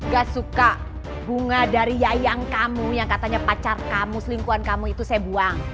gak suka bunga dari wayang kamu yang katanya pacar kamu selingkuhan kamu itu saya buang